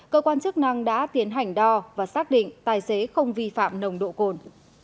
cơ quan chức năng đã tiến hành đo và xác định tài xế không vi phạm nồng độ cồn